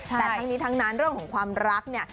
แต่ทั้งนี้ทั้งนั้นเรื่องของความรักเนี่ย